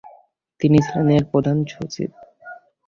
তিনি ছিলেন এর প্রথম সচিব।